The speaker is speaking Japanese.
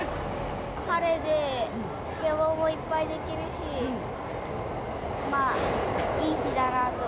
晴れでスケボーもいっぱいできるし、まあ、いい日だなと。